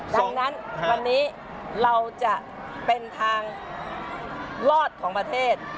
ดังนั้นวันนี้เราจะเป็นทางรอดของประเทศ